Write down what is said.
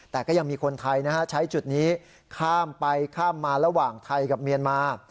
แต่ก็ยังมีคนไทยใช้จุดนี้ข้ามไปข้ามมาระหว่างไทยกับเมียนมา